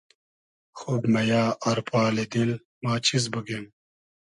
خوب مئیۂ آر پالی دیل ما چیز بوگیم